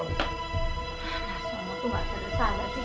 nah sama aku nggak sadar sadar sih